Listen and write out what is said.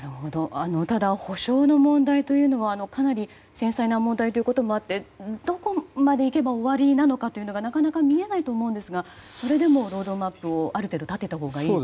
ただ補償の問題というのはかなり繊細な問題ということもあってどこまで行けば終わりなのかというのがなかなか見えないと思いますがそれでもロードマップをある程度立てたほうがいいと。